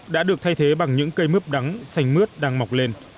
đã được thay thế bằng những cây mướp đắng xanh mướt đang mọc lên